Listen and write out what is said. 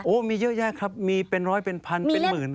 มีเยอะแยะครับมีเป็นร้อยเป็นพันเป็นหมื่น